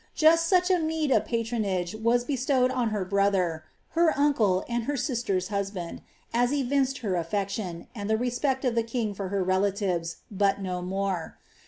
Just such a meed of patronage was bestowed on her bro ler uncle, and her sister's husband, as evinced her affection, and spect of the king for her relatives, but no more.